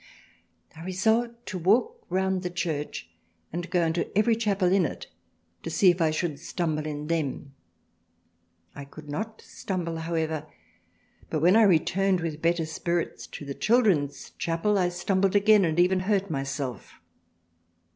I resolved to walk round the Church and go into every Chapel in it to see if I should stumble in them, I could not stumble, however, but when I returned with better spirits to the Children's Chapel I stumbled again and even hurt myself.